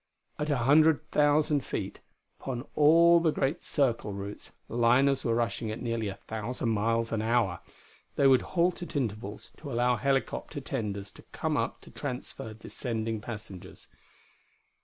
At a hundred thousand feet, upon all the Great Circle routes, liners were rushing at nearly a thousand miles an hour. They would halt at intervals, to allow helicopter tenders to come up to transfer descending passengers.